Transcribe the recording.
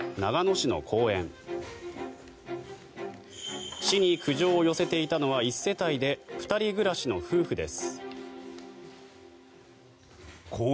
市に苦情を寄せていたのは１世帯で２人暮らしの夫婦です。